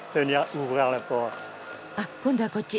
あっ今度はこっち。